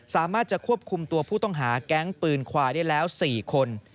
สามารถจะควบคุมตัวผู้ต้องหาแก๊งปืนควายได้แล้ว๔คน